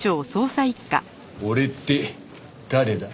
「俺」って誰だ？